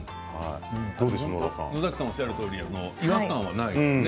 野崎さんがおっしゃるとおり違和感はないですね。